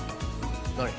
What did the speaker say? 何？